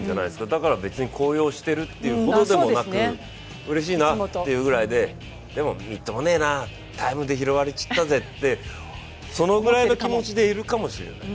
だから別に高揚してるというほどでもなくうれしいなっていうぐらいで、でもみっともねえな、タイムで拾われちったぜって、それぐらいの気持ちでいるかもしれない。